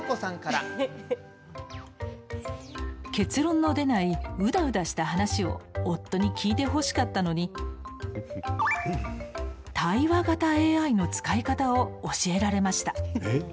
結論の出ないうだうだした話を夫に聞いてほしかったのに対話型ＡＩの使い方を教えられました。